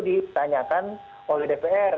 ditanyakan oleh dpr